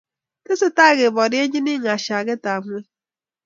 Tesetai keborienjin ng'ashaketab ngweny'